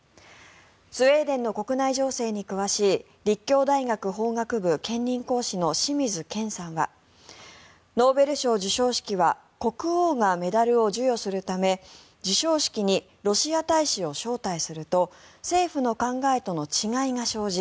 スウェーデンの国内情勢に詳しい立教大学法学部兼任講師の清水謙さんはノーベル賞授賞式は国王がメダルを授与するため授賞式にロシア大使を招待すると政府の考えとの違いが生じ